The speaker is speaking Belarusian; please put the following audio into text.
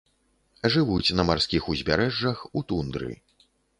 Жывуць на марскіх узбярэжжах, у тундры.